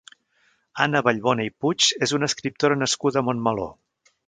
Anna Ballbona i Puig és una escriptora nascuda a Montmeló.